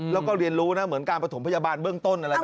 แล้วก็เรียนรู้นะเหมือนการประถมพยาบาลเบื้องต้นอะไรแบบนี้